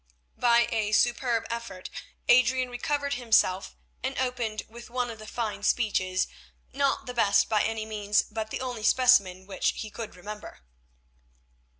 By a superb effort Adrian recovered himself and opened with one of the fine speeches, not the best by any means, but the only specimen which he could remember.